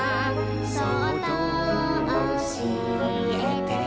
そっとおしえて」